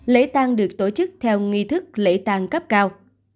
lễ tang được tổ chức theo nghi thức lễ tang cấp cao